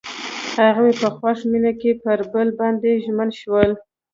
هغوی په خوښ مینه کې پر بل باندې ژمن شول.